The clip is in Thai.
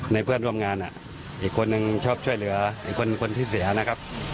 เพื่อนร่วมงานอีกคนนึงชอบช่วยเหลืออีกคนที่เสียนะครับ